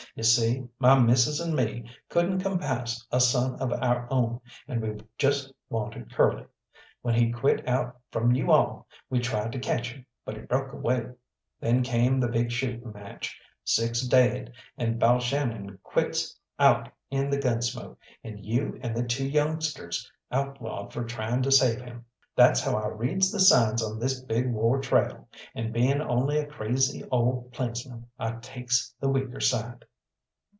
You see, my missus and me couldn't compass a son of our own, and we just wanted Curly. When he quit out from you all, we tried to catch him, but he broke away. Then came the big shooting match, six weeks ago, and it broke my ole woman's heart. Thar was the lady gawn daid, and Balshannon quits out in the gun smoke, and you and the two youngsters outlawed for trying to save him. That's how I reads the signs on this big war trail, and being only a crazy old plainsman, I takes the weaker side."